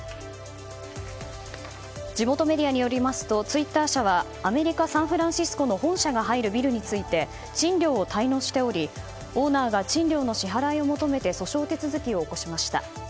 地元メディアによりますとツイッター社はアメリカ・サンフランシスコの本社が入るビルについて賃料を滞納しておりオーナーが賃料の支払いを求めて訴訟手続きを行いました。